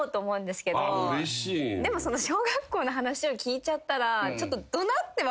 でも小学校の話を聞いちゃったらちょっと。